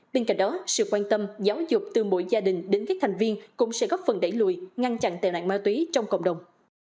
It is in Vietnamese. bên cạnh đó sự quan tâm giáo dục từ mỗi gia đình đến các thành viên cũng sẽ góp phần đẩy lùi ngăn chặn tệ nạn ma túy trong cộng đồng